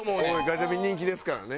ガチャピン人気ですからね。